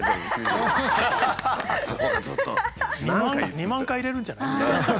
２万回入れるんじゃない？